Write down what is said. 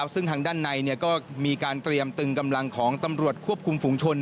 ซึ่งทางด้านในก็มีการเตรียมตึงกำลังของตำรวจควบคุมฝุงชน